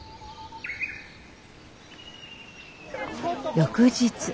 翌日。